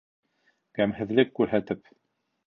Гәмһеҙлек күрһәтеп: